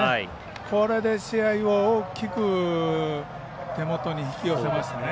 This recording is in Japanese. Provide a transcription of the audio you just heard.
これで試合を大きく手元に引き寄せましたね。